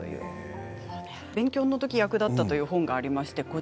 勉強の時役立ったという本がありまして